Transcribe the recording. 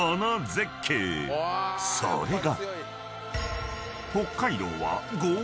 ［それが］